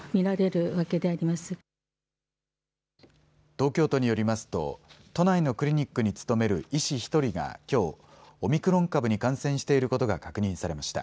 東京都によりますと都内のクリニックに勤める医師１人がきょうオミクロン株に感染していることが確認されました。